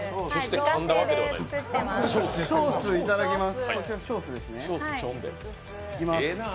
ショースいただきます。